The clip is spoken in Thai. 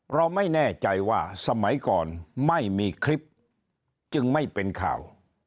เราไม่แน่ใจว่าสมัยก่อนไม่มีคลิปจึงไม่เป็นข่าว